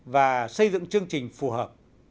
và xây dựng chương trình phù hợp